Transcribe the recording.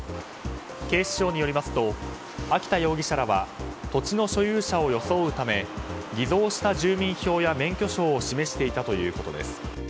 警視庁によりますと秋田容疑者らは土地の所有者を装うため偽造した住民票や免許証を示していたということです。